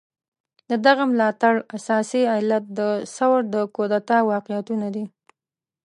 د دغه ملاتړ اساسي علت د ثور د کودتا واقعيتونه دي.